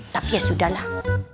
tapi ya sudahlah